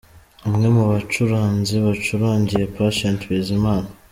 Umwe mu bacuranzi bacurangiye Patient Bizimana.